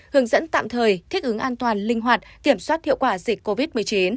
hướng dẫn tạm thời thích ứng an toàn linh hoạt kiểm soát hiệu quả dịch covid một mươi chín